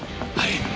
はい。